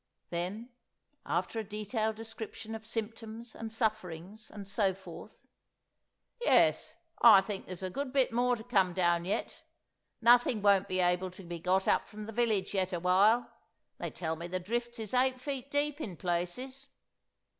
Then, after a detailed description of symptoms and sufferings and so forth—"Yes, I think there's a good bit more to come down yet. Nothing won't be able to be got up from the village yet awhile; they tell me the drifts is eight feet deep in places.